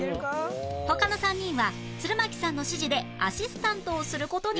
他の３人は鶴巻さんの指示でアシスタントをする事に